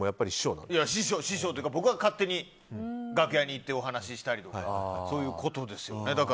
僕が勝手に楽屋に行ってお話したりとかそういうことですよね。